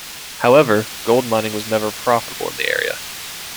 However, gold mining was never profitable in the area.